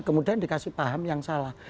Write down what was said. kemudian dikasih paham yang salah